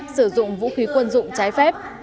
sử dụng vũ khí quân dụng trái phép